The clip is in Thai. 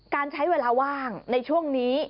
การใช้เวลาว่างในช่วงนี้